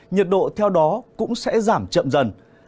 nhiệt độ theo đó cũng sẽ giảm chậm dần